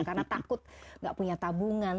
karena takut nggak punya tabungan